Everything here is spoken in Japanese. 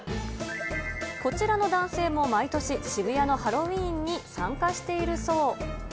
こちらの男性も毎年、渋谷のハロウィーンに参加しているそう。